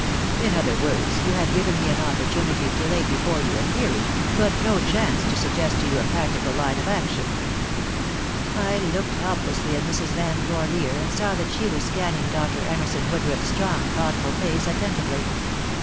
In other words, you have given me an opportunity to lay before you a theory, but no chance to suggest to you a practical line of action." I looked helplessly at Mrs. Van Corlear and saw that she was scanning Dr. Emerson Woodruff's strong, thoughtful face attentively.